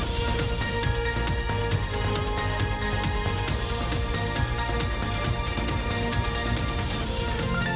สวัสดีค่ะ